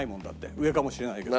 上かもしれないけど。